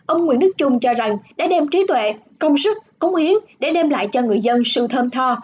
ông nguyễn đức trung cho rằng đã đem trí tuệ công sức cống hiến để đem lại cho người dân sự thơm tho